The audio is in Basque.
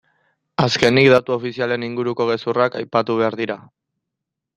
Azkenik, datu ofizialen inguruko gezurrak aipatu behar dira.